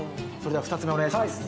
では３つ目お願いします。